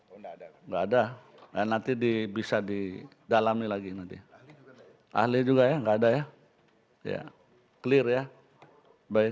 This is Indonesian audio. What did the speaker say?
enggak ada nanti bisa di dalam lagi nanti ahli juga ya enggak ada ya ya clear ya baik